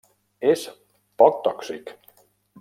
És poc tòxic.